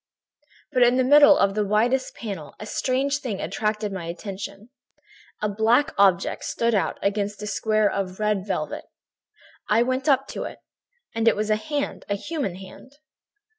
"But in the middle of the widest panel a strange thing attracted my attention. A black object stood out against a square of red velvet. I went up to it; it was a hand, a human hand.